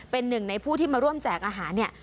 เป็นหนึ่งในผู้ที่มาร่วมแจกอาหารเนี่ย